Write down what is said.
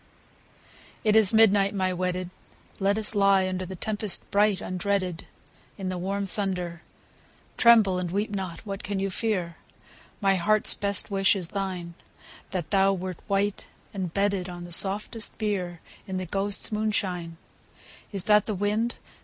It is midnight, my wedded ; Let us lie under The tempest bright undreaded. In the warm thunder : (Tremble and weep not I What can you fear?) My heart's best wish is thine, — That thou wert white, and bedded On the softest bier. In the ghosts* moonshine. Is that the wind